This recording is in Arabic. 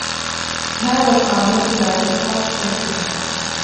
هذا القاموس لا ينفع لشيء.